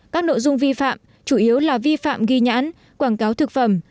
các nội dung vi phạm chủ yếu là vi phạm ghi nhãn quảng cáo thực phẩm